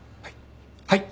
はい。